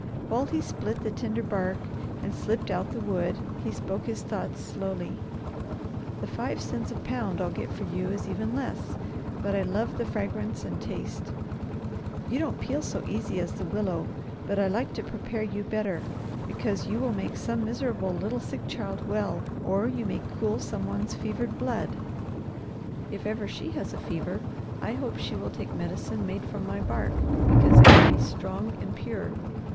While he split the tender bark and slipped out the wood he spoke his thoughts slowly: "The five cents a pound I'll get for you is even less, but I love the fragrance and taste. You don't peel so easy as the willow, but I like to prepare you better, because you will make some miserable little sick child well or you may cool some one's fevered blood. If ever she has a fever, I hope she will take medicine made from my bark, because it will be strong and pure.